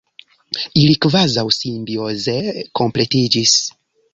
Ili kvazaŭ simbioze kompletiĝis.